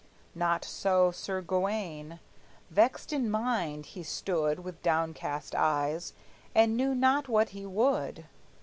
Not so Sir Gawayne. Vexed in mind he stood With downcast eyes, and knew not what he would.